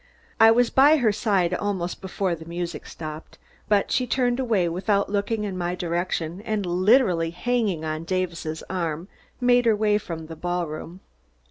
I was by her side, almost before the music stopped, but she turned away without looking in ray direction and, literally hanging on Davis' arm, made her way from the ballroom.